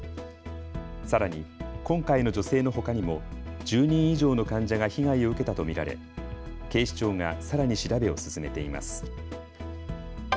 さらに今回の女性のほかにも１０人以上の患者が被害を受けたと見られ警視庁がさらに調べを進めています。